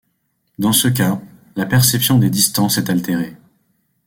Dans ce cas, la perception des distances est altérée.